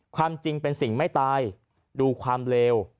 ความจริงเป็นสิ่งไม่ตายดูความเลว